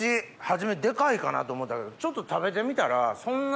初めデカいかなと思ったけどちょっと食べてみたらそんなに。